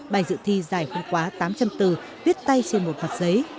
bài dự thi dài không quá tám trăm linh từ viết tay trên một mặt giấy